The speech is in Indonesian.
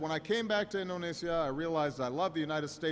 ketika saya kembali ke indonesia saya menyadari bahwa saya menyukai amerika